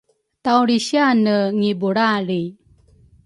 taulrisiane ngibulalri